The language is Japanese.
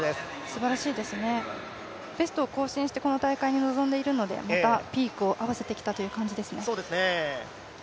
すばらしいです、自己ベストを更新してこの大会に臨んでいるので、またピークを合わせてきたという感じですね。